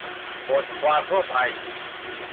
- "บทความทั่วไป"